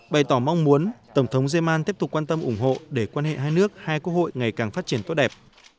bày tỏ mong muốn tổng thống zeman tiếp tục quan tâm ủng hộ để quan hệ hai nước hai quốc hội ngày càng phát triển tốt đẹp